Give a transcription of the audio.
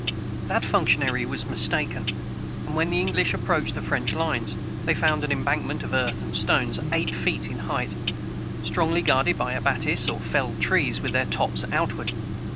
That functionary was mistaken; and when the English approached the French lines, they found an embankment of earth and stones, eight feet in height, strongly guarded by abatis, or felled trees, with their tops outward.